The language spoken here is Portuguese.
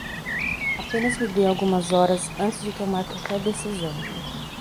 Apenas me dê algumas horas antes de tomar qualquer decisão.